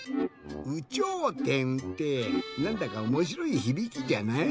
「有頂天」ってなんだかおもしろいひびきじゃない？